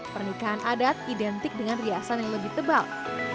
pernikahan adat identik dengan riasan yang lebih tebal